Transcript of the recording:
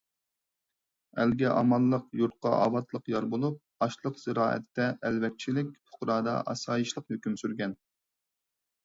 ئەلگە ئامانلىق، يۇرتقا ئاۋاتلىق يار بولۇپ، ئاشلىق - زىرائەتتە ئەلۋەكچىلىك، پۇقرادا ئاسايىشلىق ھۆكۈم سۈرگەن.